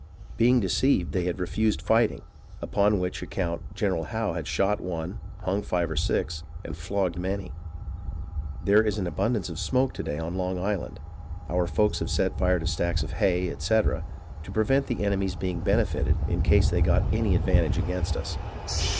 being deceived they had refused fighting, upon which account General Howe had shot one, hung five or six, and flogged many. ... There is an abundance of smoke to day on Long Island, our folks having set fire to stacks of hay, etc., to prevent the enemy's being benefited in case they got any advantage against us.